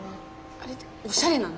あれっておしゃれなの？